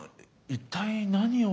一体何を。